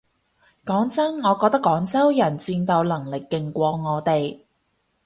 講真我覺得廣州人戰鬥能力勁過我哋